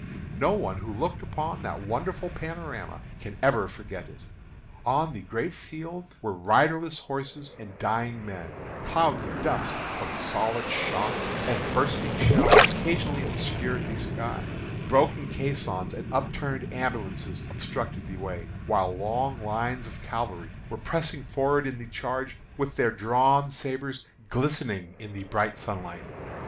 No one who looked upon that wonderful panorama can ever forget it. On the great field were riderless horses and dying men; clouds of dust from solid shot and bursting shell occasionally obscured the sky; broken caissons and upturned ambulances obstructed the way, while long lines of cavalry were pressing forward in the charge, with their drawn sabres, glistening in the bright sunlight.